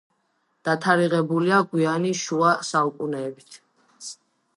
დათარიღებულია გვიანი შუა საუკუნეებით.